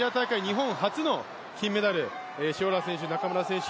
日本初の金メダル、塩浦選手、中村選手、